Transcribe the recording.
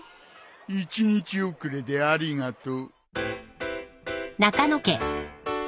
１日遅れでありがとう。